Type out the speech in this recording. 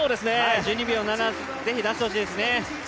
１２秒７、ぜひ出してほしいですね。